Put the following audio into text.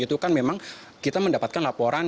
itu kan memang kita mendapatkan laporan